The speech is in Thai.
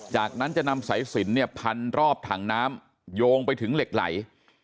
จากนั้นจะนำสายสินเนี่ยพันรอบถังน้ำโยงไปถึงเหล็กไหล